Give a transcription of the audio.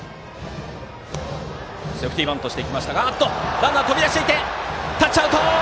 ランナー飛び出してタッチアウト！